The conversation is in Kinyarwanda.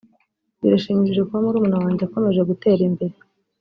“Birashimishije kuba murumuna wanjye akomeje gutera imbere